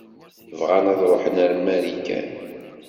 Bɣan ad ṛuḥen ar Marikan.